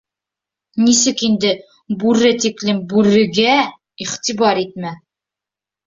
Нисек инде, бүре тиклем бүр-рег-ә-ә иғтибар итмә!